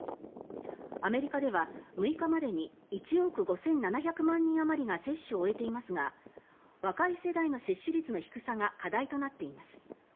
アメリカでは、６日までに１億５７００万人あまりが接種を終えていますが若い世代の接種率の低さが課題となっています。